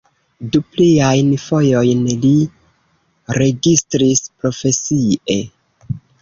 Du pliajn fojojn li registris profesie.